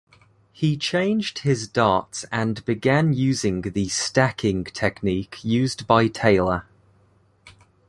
He changed his darts and began using the "stacking" technique used by Taylor.